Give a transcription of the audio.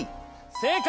正解！